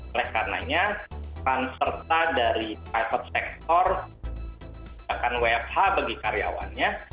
oleh karena kan serta dari kaitan sektor bahkan wfh bagi karyawannya